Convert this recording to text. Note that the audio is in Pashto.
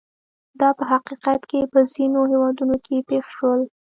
دا په حقیقت کې په ځینو هېوادونو کې پېښ شول.